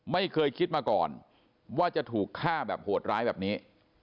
ไม่เคยคิดมาก่อนว่าจะถูกฆ่าแบบโหดร้ายแบบนี้